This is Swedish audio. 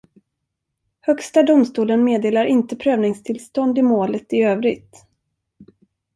Högsta domstolen meddelar inte prövningstillstånd i målet i övrigt.